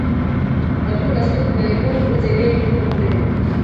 Таму наступны альбом будзе вельмі круты!